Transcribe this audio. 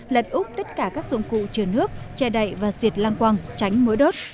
lật úp tất cả các dụng cụ trường nước che đậy và diệt lang quang tránh mỗi đốt